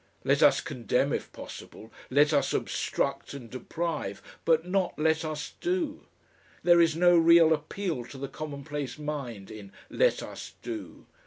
Let us condemn, if possible, let us obstruct and deprive, but not let us do. There is no real appeal to the commonplace mind in "Let us do."